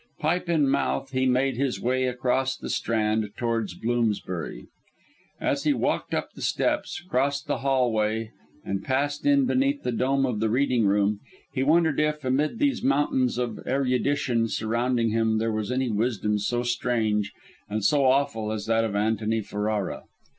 Pipe in mouth, he made his way across the Strand towards Bloomsbury. As he walked up the steps, crossed the hall way, and passed in beneath the dome of the reading room, he wondered if, amid those mountains of erudition surrounding him, there was any wisdom so strange, and so awful, as that of Antony Ferrara.